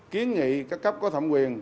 kiến nghị các cấp có thẩm quyền